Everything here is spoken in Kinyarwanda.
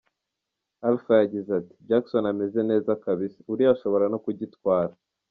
Alpha yagize ati : “Jackson ameze neza kabisa, uriya ashobora no kugitwara.